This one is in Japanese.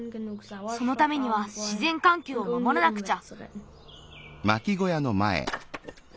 そのためにはしぜんかんきょうを守らなくちゃ。